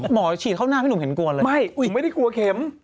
หมอฉีดเข้าหน้าที่หนุ่มกั่นเลยอย่างนั้นไงไม่ผมไม่ได้กลัวเข็ม